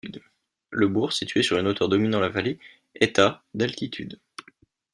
Le bourg, situé sur une hauteur dominant la vallée, est à d'altitude.